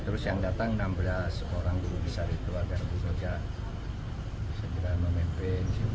terus yang datang enam belas orang bisa itu agar bisa segera memimpin